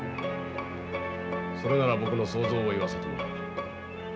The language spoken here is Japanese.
それなら僕の想像を言わせてもらおう。